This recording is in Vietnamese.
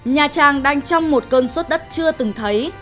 nhà trang đang trong một cơn suất đất chưa từng thấy